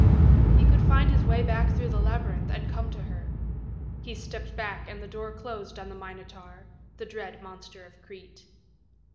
He could find his way back through the labyrinth and come to her. He stepped back, and the door closed on the Minotaur, the dread monster of Crete.